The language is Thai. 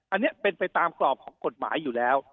อันนี้เป็นไปตามกรอบของกฎหมายอยู่แล้ว